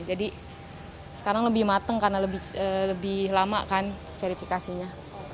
jadi sekarang lebih mateng karena lebih lama kan verifikasinya